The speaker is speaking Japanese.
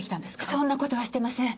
そんな事はしてません。